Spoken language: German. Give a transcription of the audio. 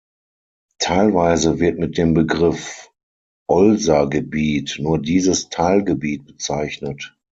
Teilweise wird mit dem Begriff "Olsagebiet" nur dieses Teilgebiet bezeichnet.